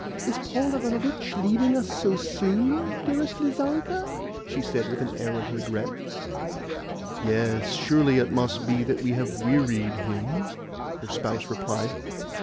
"Is Paul Ivanovitch leaving us so soon, dearest Lizanka?" she said with an air of regret. "Yes. Surely it must be that we have wearied him?" her spouse replied.